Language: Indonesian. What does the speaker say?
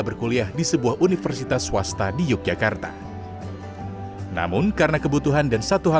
berkuliah di sebuah universitas swasta di yogyakarta namun karena kebutuhan dan satu hal